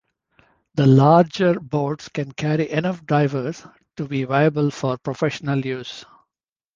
The larger boats can carry enough divers to be viable for professional use.